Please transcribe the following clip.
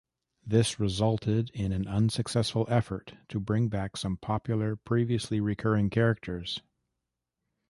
This resulted in an unsuccessful effort to bring back some popular previously recurring characters.